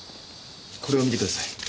これを見てください。